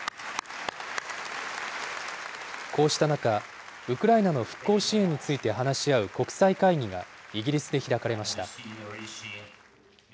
こうした中、ウクライナの復興支援について話し合う国際会議がイギリスで開かれました。